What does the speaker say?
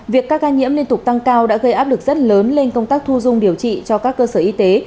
việc các ca nhiễm liên tục tăng cao đã gây áp lực rất lớn lên công tác thu dung điều trị cho các cơ sở y tế